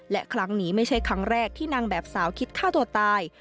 และครั้งนี้ไม่ใช่ครั้งแรกที่นางแบบสาวคิดฆ่าตัวตาย